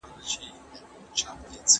ده څومره ارزاني، ستا په لمن کې جانانه